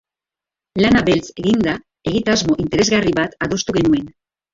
Lana beltz eginda, egitasmo interesgarri bat adostu genuen.